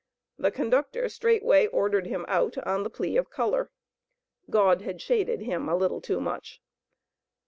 The conductor straightway ordered him out, on the plea of color. God had shaded him a little too much.